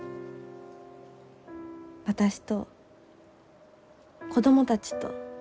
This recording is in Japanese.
私と子供たちと。